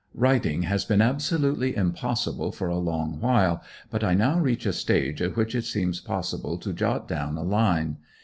Writing has been absolutely impossible for a long while; but I now reach a stage at which it seems possible to jot down a line.